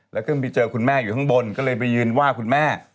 แล้วก็ไปเจอคุณแม่อยู่ข้างบนก็เลยไปยืนว่าคุณแม่